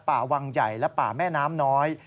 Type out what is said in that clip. ป่าวังใหญ่และป่าแม่น้ำน้อย